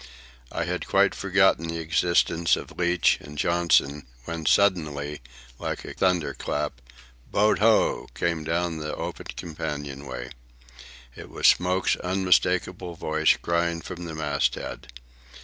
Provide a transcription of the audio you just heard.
I had quite forgotten the existence of Leach and Johnson, when suddenly, like a thunderclap, "Boat ho!" came down the open companion way. It was Smoke's unmistakable voice, crying from the masthead.